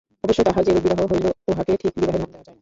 অবশ্য তাঁহার যেরূপ বিবাহ হইল, উহাকে ঠিক বিবাহের নাম দেওয়া যায় না।